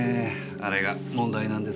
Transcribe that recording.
あれが問題なんです。